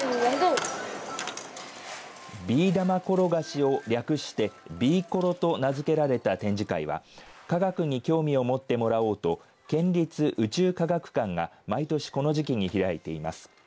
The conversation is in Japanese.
ビー玉転がしを略してビーコロと名付けられた展示会は科学に興味を持ってもらおうと県立宇宙科学館が毎年この時期に開いています。